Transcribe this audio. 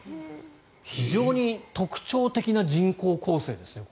非常に特徴的な人口構成ですね。